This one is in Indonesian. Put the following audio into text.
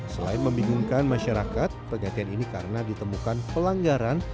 selain membingungkan masyarakat pergantian ini karena ditemukan pelanggaran